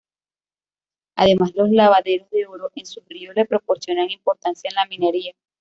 Además, los lavaderos de oro en sus ríos le proporcionan importancia en la minería.